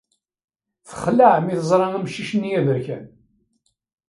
Texleɛ mi teẓra amcic-nni aberkan.